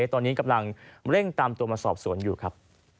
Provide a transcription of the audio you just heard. ตอนนี้กำลังเร่งตามตัวมาสอบสวนอยู่ครับ